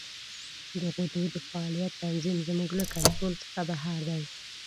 د غدو د فعالیت تنظیم زموږ له کنترول څخه بهر دی.